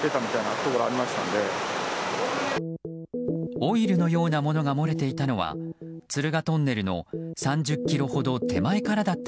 オイルのようなものが漏れていたのは敦賀トンネルの３０ｋｍほど手前からだった